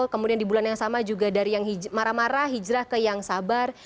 kemudian di bulan yang sama juga dari yang marah marah hijrah ke yang sabar